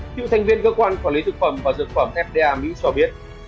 cựu thành viên cơ quan quản lý thực phẩm và dược phẩm fda mỹ cho biết